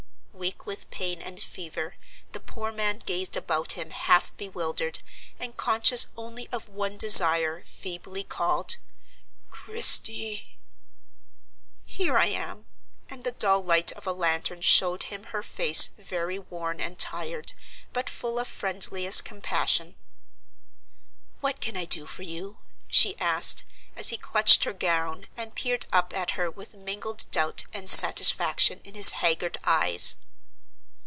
Weak with pain and fever, the poor man gazed about him half bewildered, and, conscious only of one desire, feebly called "Christie!" "Here I am;" and the dull light of a lantern showed him her face very worn arid tired, but full of friendliest compassion. "What can I do for you?" she asked, as he clutched her gown, and peered up at her with mingled doubt and satisfaction in his haggard eyes.